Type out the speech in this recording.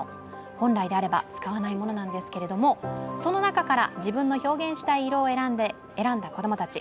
本来であれば使わないものなんですが、その中から自分の表現したい色を選んだ子供たち。